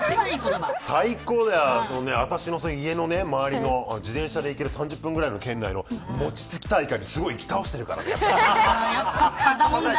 最高だよ、私の家の周りの自転車で行ける３０分くらいの餅つき大会行き倒してるからね。